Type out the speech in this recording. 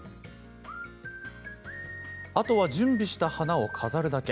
あとは準備した花を飾るだけ。